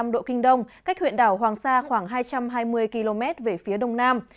một trăm một mươi ba năm độ kinh đông cách huyện đảo hoàng sa khoảng hai trăm hai mươi km về phía đông nam